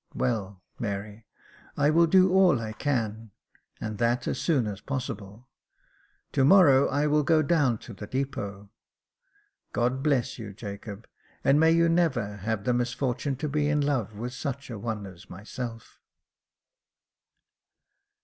" Well, Mary, I will do all I can, and that as soon as possible. To morrow I will go down to the depot." " God bless you, Jacob ; and may you never have the misfortune to be in love with such a one as myself."